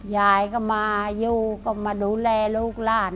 ยายก็มาอยู่ก็มาดูแลลูกหลาน